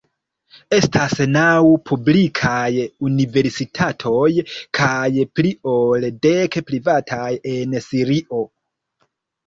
Estas naŭ publikaj universitatoj kaj pli ol dek privataj en Sirio.